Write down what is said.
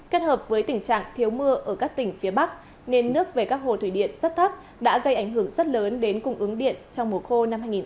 kết hợp với tình trạng thiếu mưa ở các tỉnh phía bắc nên nước về các hồ thủy điện rất thấp đã gây ảnh hưởng rất lớn đến cung ứng điện trong mùa khô năm hai nghìn hai mươi bốn